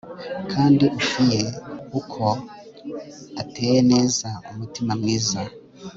kandi ufiye uko ateye neza umutima mwiza